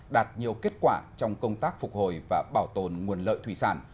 đạt nhiều kết quả trong công tác phục hồi và bảo tồn nguồn lợi thủy sản